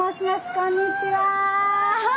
こんにちは。